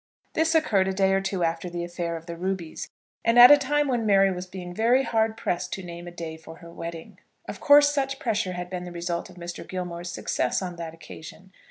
This occurred a day or two after the affair of the rubies, and at a time when Mary was being very hard pressed to name a day for her wedding. Of course such pressure had been the result of Mr. Gilmore's success on that occasion.